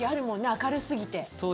明るすぎて。